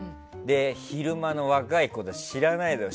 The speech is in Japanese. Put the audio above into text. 昼間の若い子、知らないのよ。